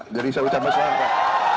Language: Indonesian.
jadi saya ucapkan selamat